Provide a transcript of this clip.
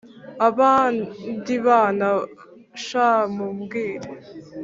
abandi bana sha mubwire